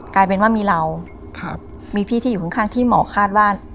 กลายเป็นว่ามีเรามีพี่ที่อยู่ข้างที่หมอคาดว่า